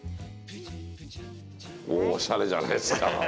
おしゃれじゃないですか。